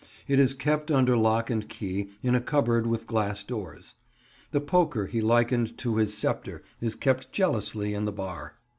It is kept under lock and key, in a cupboard with glass doors. The poker he likened to his sceptre is kept jealously in the bar.